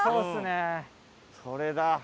それだ。